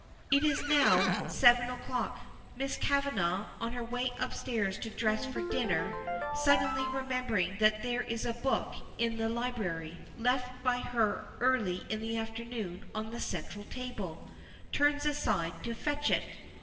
It is now seven, o'clock; Miss Kavanagh, on her way upstairs to dress for dinner, suddenly remembering that there is a book in the library, left by her early in the afternoon on the central table, turns aside to fetch it.